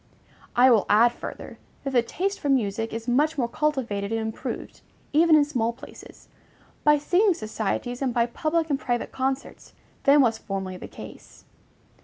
I will add further, that the taste for music is much more cultivated and improved, even in small places, by singing societies and by public and private concerts, than was formerly the case.